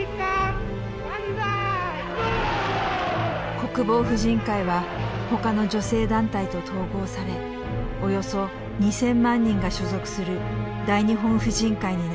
国防婦人会はほかの女性団体と統合されおよそ２，０００万人が所属する大日本婦人会になりました。